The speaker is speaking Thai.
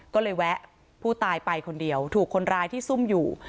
ก็เลยแวะผู้ตายไปคนเดียวถูกคนร้ายที่ซุ่มอยู่